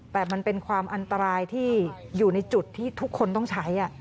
แต่มันเป็นความอันตรายที่อยู่ในจุดที่ทุกคนต้องใช้